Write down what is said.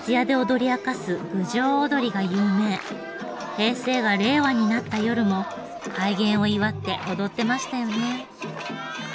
平成が令和になった夜も改元を祝って踊ってましたよね。